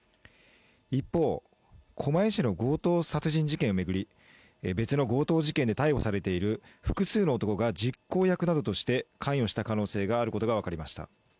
一方、狛江市の強盗殺人事件を巡り別の強盗事件で逮捕されている複数の男が実行役などとして関与した可能性があることが分かりました。